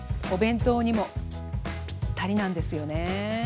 お弁当にもぴったりなんですよね。